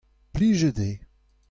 plijet eo.